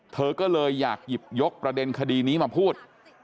เธอก็เลยอยากหยิบยกประเด็นคดีนี้มาพูด